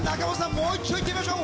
もういっちょいってみましょう。